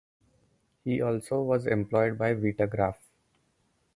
He also was employed by Vitagraph.